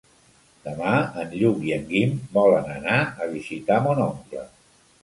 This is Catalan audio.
Demà en Lluc i en Guim volen anar a visitar mon oncle.